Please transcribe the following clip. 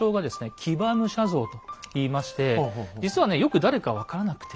「騎馬武者像」といいまして実はねよく誰か分からなくて。